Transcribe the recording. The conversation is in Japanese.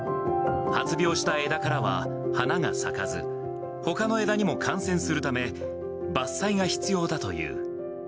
発病した枝からは花が咲かず、ほかの枝にも感染するため、伐採が必要だという。